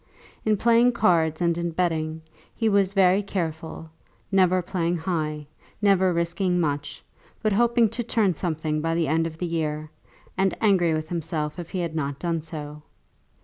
In playing cards and in betting he was very careful, never playing high, never risking much, but hoping to turn something by the end of the year, and angry with himself if he had not done so.